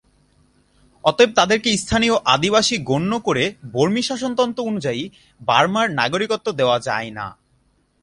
অতএব তাদেরকে স্থানীয় আদিবাসী গণ্য করে বর্মি শাসনতন্ত্র অনুযায়ী বার্মার নাগরিকত্ব দেওয়া যায় না।